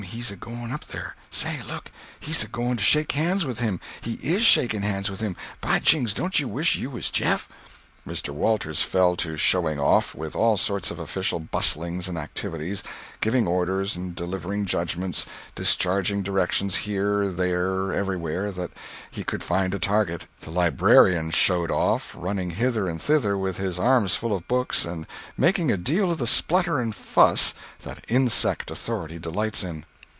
He's a going up there. Say—look! he's a going to shake hands with him—he is shaking hands with him! By jings, don't you wish you was Jeff?" Mr. Walters fell to "showing off," with all sorts of official bustlings and activities, giving orders, delivering judgments, discharging directions here, there, everywhere that he could find a target. The librarian "showed off"—running hither and thither with his arms full of books and making a deal of the splutter and fuss that insect authority delights in.